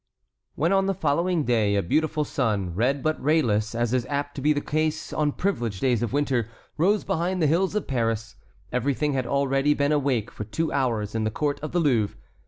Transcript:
When on the following day a beautiful sun, red but rayless, as is apt to be the case on privileged days of winter, rose behind the hills of Paris, everything had already been awake for two hours in the court of the Louvre.